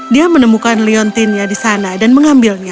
dia menemukan leontinnya di sana dan mengambilnya